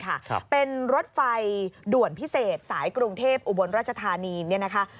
ครับเป็นรถไฟด่วนพิเศษสายกรุงเทพอุบลราชธานีเนี่ยนะคะ